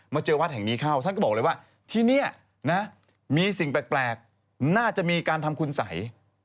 เจอวัดแห่งนี้เข้าท่านก็บอกเลยว่าที่นี่นะมีสิ่งแปลกน่าจะมีการทำคุณสัย